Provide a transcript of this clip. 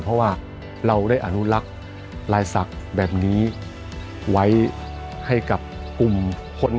เพราะว่าเราได้อนุรักษ์ลายศักดิ์แบบนี้ไว้ให้กับกลุ่มคน